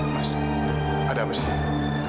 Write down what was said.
mas ada apa sih